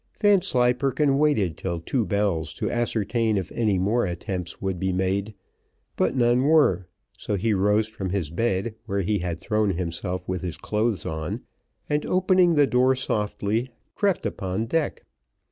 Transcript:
Vanslyperken waited till two bells to ascertain if any more attempts would be made; but none were, so he rose from his bed, where he had thrown himself with his clothes on, and, opening the door softly, crept upon deck.